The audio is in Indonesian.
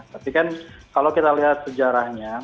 tapi kan kalau kita lihat sejarahnya